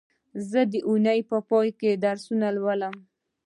زه د اونۍ په پای کې درسونه لولم